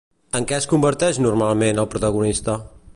En què es converteix normalment el protagonista?